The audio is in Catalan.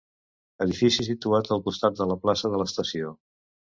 Edifici situat al costat de la plaça de l'Estació.